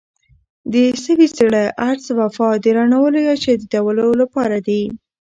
د سوي زړه، عجز، وفا د رڼولو يا شديدولو لپاره دي.